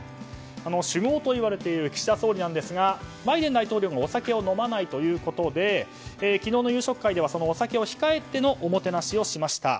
酒豪といわれている岸田総理なんですがバイデン大統領がお酒を飲まないということで昨日の夕食会ではお酒を控えてのおもてなしをしました。